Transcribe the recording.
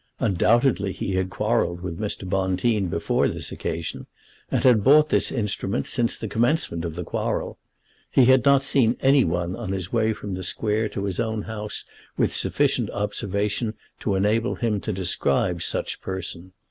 Undoubtedly he had quarrelled with Mr. Bonteen before this occasion, and had bought this instrument since the commencement of the quarrel. He had not seen any one on his way from the Square to his own house with sufficient observation to enable him to describe such person.